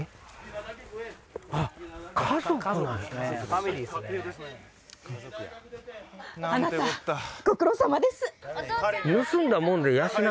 あなたご苦労さまです！